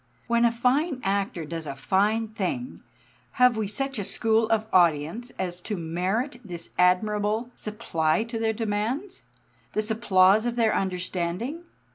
When a fine actor does a fine thing, have we such a school of audience as to merit this admirable supply to their demands? this applause of their understanding?